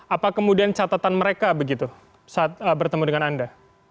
apa kemudian catatan mereka begitu saat bertemu dengan anda